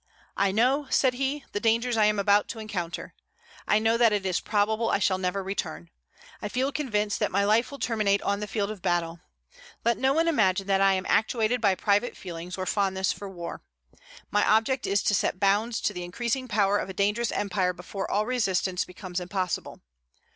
"I know," said he, "the dangers I am about to encounter; I know that it is probable I shall never return; I feel convinced that my life will terminate on the field of battle. Let no one imagine that I am actuated by private feelings or fondness for war. My object is to set bounds to the increasing power of a dangerous empire before all resistance becomes impossible.